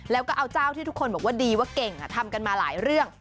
แล้วก็เอาเจ้าที่ทุกคนบอกว่าดีว่าเก่งทำกันมาหลายเรื่อง